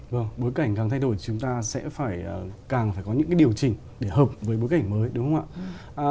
vâng bối cảnh càng thay đổi chúng ta sẽ phải càng phải có những cái điều chỉnh để hợp với bối cảnh mới đúng không ạ